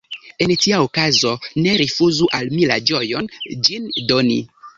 En tia okazo ne rifuzu al mi la ĝojon ĝin doni.